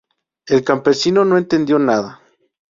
El campesino no entendió nada.